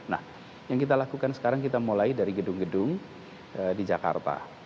nah yang kita lakukan sekarang kita mulai dari gedung gedung di jakarta